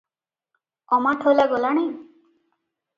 ଅମାଠୋଲା ଗଲାଣି?